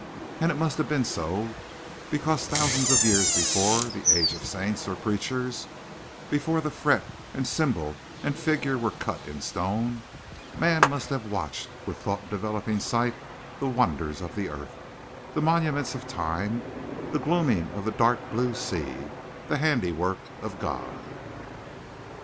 And it must have been so because thousands of years before the age of saints or preachers—before the fret and symbol and figure were cut in stone—man must have watched with thought developing sight the wonders of the earth, the monuments of time, the glooming of the dark blue sea, the handiwork of God.